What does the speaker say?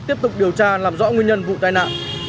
tiếp tục điều tra làm rõ nguyên nhân vụ tai nạn